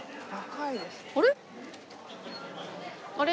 あれ？